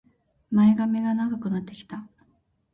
前髪が長くなってきた